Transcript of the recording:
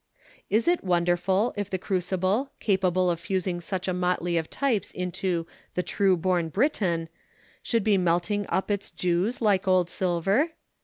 Is it wonderful if the crucible, capable of fusing such a motley of types into "the true born Briton," should be melting up its Jews like old silver?